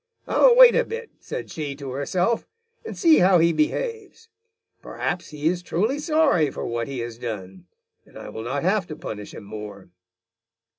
'I'll wait a bit,' said she to herself, 'and see how he behaves. Perhaps he is truly sorry for what he has done, and I will not have to punish him more.'